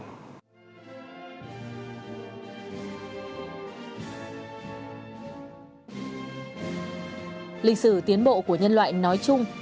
lịch sử tiến bộ của nhân loại nói chung